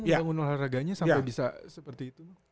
untuk menanggung olahraganya sampai bisa seperti itu